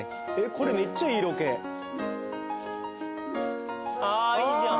これめっちゃいいロケああーいいじゃん